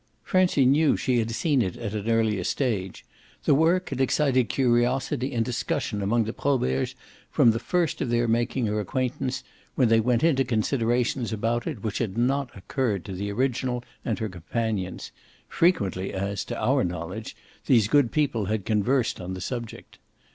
Francie knew she had seen it at an earlier stage; the work had excited curiosity and discussion among the Proberts from the first of their making her acquaintance, when they went into considerations about it which had not occurred to the original and her companions frequently as, to our knowledge, these good people had conversed on the subject.